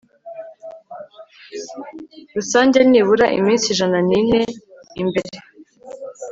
rusange nibura imisi ijana nine mbere